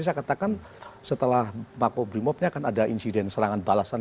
saya katakan setelah pak kubrimov nya akan ada insiden serangan balasan